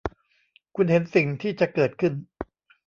คุณเห็นสิ่งที่จะเกิดขึ้น